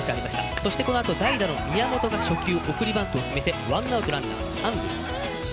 そして代打の宮本が初球送りバントを決めてワンアウトランナー、三塁。